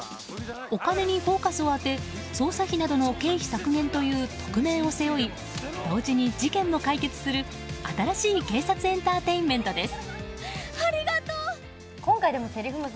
お金にフォーカスを当て捜査費などの経費削減というトクメイを背負い同時に事件も解決する新しい警察エンターテインメントです。